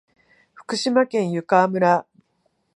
福島県湯川村